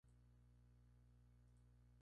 Minna aita...